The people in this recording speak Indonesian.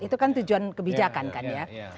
itu kan tujuan kebijakan kan ya